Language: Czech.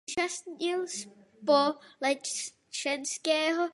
Zde se živě účastnil společenského života.